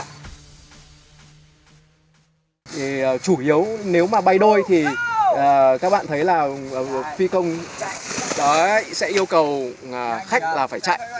chủ yếu nếu mà bay đôi thì các bạn thấy là phi công sẽ yêu cầu khách là phải chạy